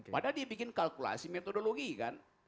padahal dia bikin kalkulasi metodologi kan